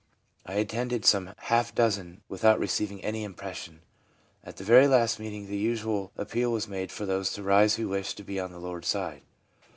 I attended some half dozen without re ceiving any impression. At the very last meeting the usual appeal was made for those to rise who wished to be on the Lord's side.